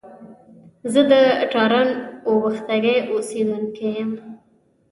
زه د تارڼ اوبښتکۍ اوسېدونکی يم